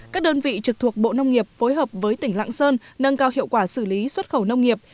các đơn vị trực thuộc bộ nông nghiệp phối hợp với tỉnh lạng sơn nâng cao hiệu quả xử lý xuất khẩu nông nghiệp